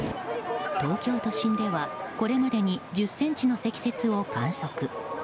東京都心ではこれまでに１０ｃｍの積雪を観測。